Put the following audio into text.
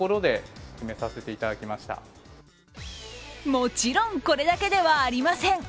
もちろん、これだけではありません。